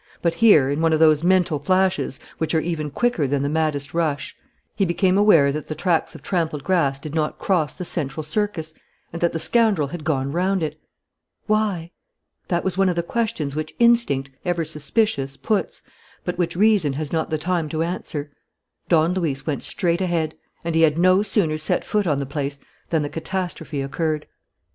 But here, in one of those mental flashes which are even quicker than the maddest rush, he became aware that the tracks of trampled grass did not cross the central circus and that the scoundrel had gone round it. Why? That was one of the questions which instinct, ever suspicious, puts, but which reason has not the time to answer. Don Luis went straight ahead. And he had no sooner set foot on the place than the catastrophe occurred.